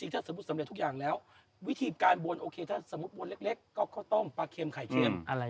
ถ้าสมมุติน้องจะบนเล็กกก็ต้องปลาเค็มไข่เค็ม